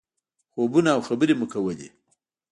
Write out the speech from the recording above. خوبونه او خبرې مو کولې.